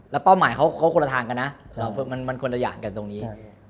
แล้วเป้าหมายเขาคนละทางกันนะมันคนละอย่างกันตรงนี้